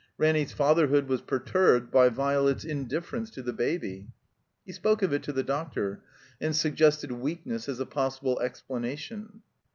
Ranny's fatherhood was per ttirbed by Violet's indiflference to the baby. He spoke of it to the doctor, and suggested wealmess as a possible explanation.